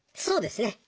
そうですね